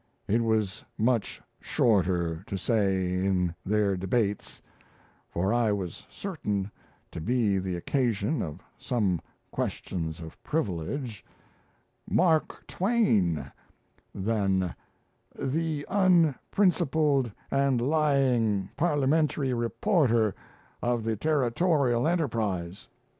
It was much shorter to say in their debates for I was certain to be the occasion of some questions of privilege 'Mark Twain' than 'the unprincipled and lying Parliamentary Reporter of the 'Territorial Enterprise'.'"